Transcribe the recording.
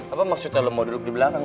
apa maksudnya kalau mau duduk di belakang